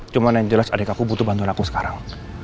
cuma yang jelas adik aku butuh bantuan aku sekarang